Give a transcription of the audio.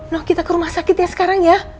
loh kita ke rumah sakit ya sekarang ya